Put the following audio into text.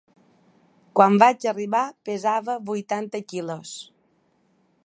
Quan vaig arribar pesava vuitanta quilos.